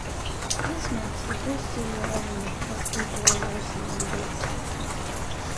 This marks the first studio album with Kaspar Boye Larsen on bass.